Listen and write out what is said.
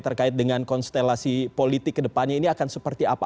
terkait dengan konstelasi politik kedepannya ini akan seperti apa